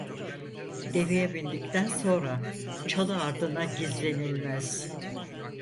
Deveye bindikten sonra çalı ardına gizlenilmez.